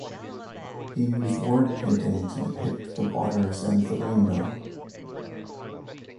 He used word painting to depict the waters and the rainbow.